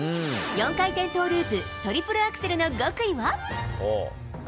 ４回転トーループ、トリプルアクセルの極意は。